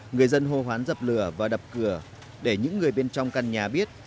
người dân hô hoán dập lửa và đập cửa để những người bên trong căn nhà biết